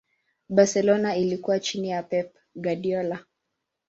barcelona ilikuwa chini ya pep guardiola